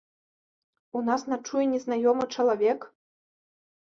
У нас начуе незнаёмы чалавек.